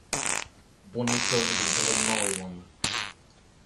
Boniekoc'h eget bremañ e oan.